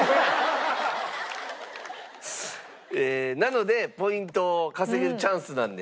なのでポイントを稼げるチャンスなんで。